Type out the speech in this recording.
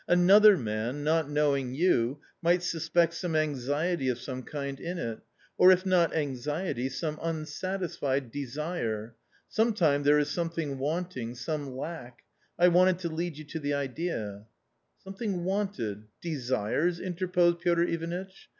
"Another man, not knowing you, might suspect some anxiety of some kind in it .... or if not anxiety, some unsatisfied desire .... some time there is something wanting, some lack .... I wanted to lead you to the idea." " Something wanted — desires ?" interposed Piotr Ivanitch.